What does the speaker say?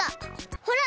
ほら！